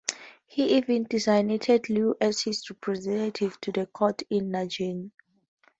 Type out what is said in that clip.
He even designated Liu as his representative to the court in Nanjing.